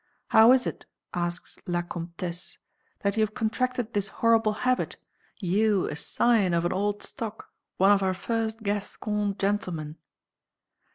"How is it," asks La Comtesse, "that you have contracted this horrible habit; you, a scion of an old stock, one of our first Gascon gentlemen?"